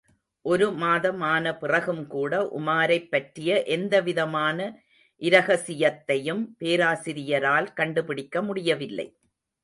ஒரு மாதம் ஆன பிறகும்கூட உமாரைப் பற்றிய எந்த விதமான இரகசியத்தையும் பேராசிரியரால் கண்டு பிடிக்க முடியவில்லை.